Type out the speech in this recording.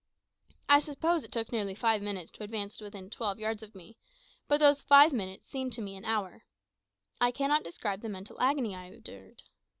I suppose it took nearly five minutes to advance to within twelve yards of me, but those five minutes seemed to me an hour. I cannot describe the mental agony I endured.